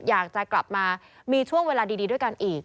อยากจะกลับมามีช่วงเวลาดีด้วยกันอีก